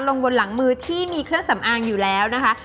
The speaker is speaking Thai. ลงบนหลังมือที่มีเครื่องสำอางอยู่แล้วนะคะ